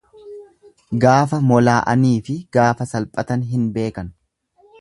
Gaafa molaa'aniifi gaafa salphatan hin beekan.